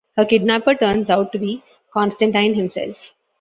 Her kidnapper turns out to be Constantine himself.